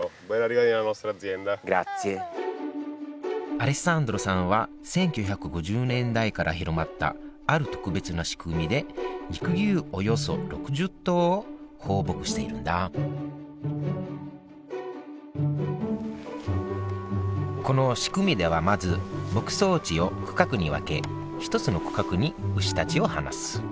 アレッサンドロさんは１９５０年代から広まったある特別な仕組みで肉牛およそ６０頭を放牧しているんだこの仕組みではまず牧草地を区画に分け１つの区画に牛たちを放す。